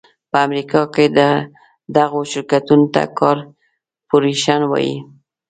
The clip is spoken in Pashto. په امریکا کې دغو شرکتونو ته کارپورېشن وایي.